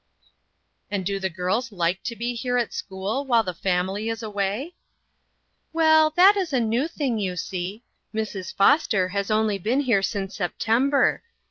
"And do the girls like to be here at school while the family is away ?"" Well, that is a new thing, you see. Mrs. Foster has only been here since Sep tember.